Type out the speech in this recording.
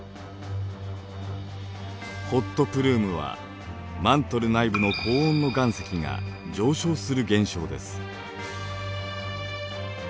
ホットプルームはマントル内部の高温の岩石が上昇する現象です。